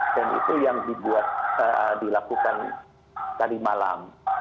dan itu yang dilakukan tadi malam